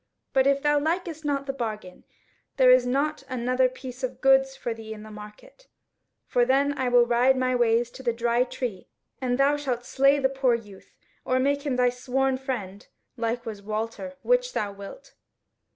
But if thou likest not the bargain, there is not another piece of goods for thee in the market, for then I will ride my ways to the Dry Tree, and thou shalt slay the poor youth, or make of him thy sworn friend, like as was Walter which thou wilt."